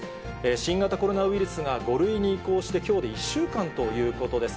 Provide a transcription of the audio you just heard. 新型コロナウイルスが５類に移行してきょうで１週間ということです。